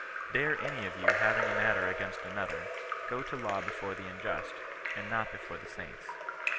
Dare any of you having a matter against another, go to law before the unjust, and not before the saints."